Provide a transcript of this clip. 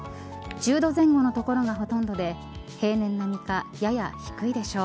１０度前後の所がほとんどで平年並みか、やや低いでしょう。